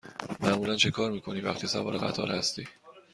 معمولا چکار می کنی وقتی سوار قطار هستی؟